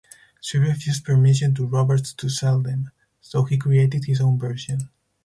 She refused permission to Roberts to sell them, so he created his own version.